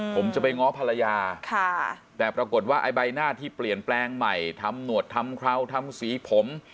ผมจะไปง้อภรรยาแต่ปรากฏว่าไอ้ใบหน้าที่เปลี่ยนแปลงใหม่ทำหนวดทำเคราวทำสีผม